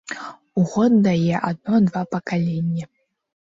У год дае адно-два пакаленні.